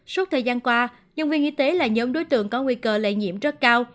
suốt thời gian qua nhân viên y tế là nhóm đối tượng có nguy cơ lây nhiễm rất cao